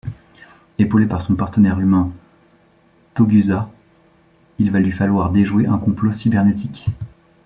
Épaulé par son partenaire humain Togusa, il va lui falloir déjouer un complot cybernétique.